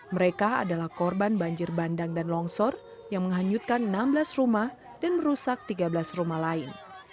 mereka adalah korban banjir bandang dan longsor yang menghanyutkan enam belas rumah dan merusak tiga belas rumah lain